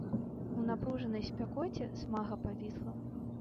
У напружанай спякоце смага павісла.